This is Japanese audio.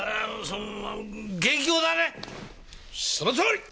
そのとおり！